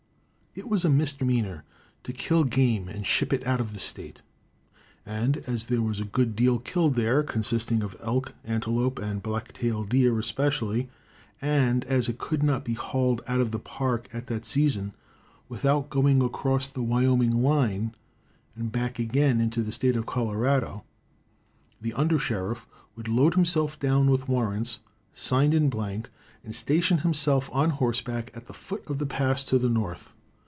It was a misdemeanor to kill game and ship it out of the State, and as there was a good deal killed there, consisting of elk, antelope and black tail deer especially, and as it could not be hauled out of the Park at that season without going across the Wyoming line and back again into the State of Colorado, the under sheriff would load himself down with warrants, signed in blank, and station himself on horseback at the foot of the pass to the North.